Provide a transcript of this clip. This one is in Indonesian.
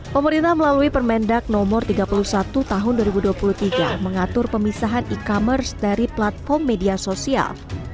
pemerintah melalui permendag no tiga puluh satu tahun dua ribu dua puluh tiga mengatur pemisahan e commerce dari platform media sosial